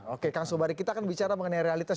oke kang sobari kita akan bicara mengenai realitas